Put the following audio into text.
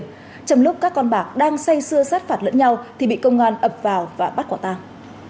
trong lúc các con bạc đang say xưa sát phạt lẫn nhau thì bị công an ập vào và bắt quả tàng